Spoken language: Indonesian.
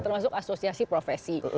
termasuk asosiasi profesi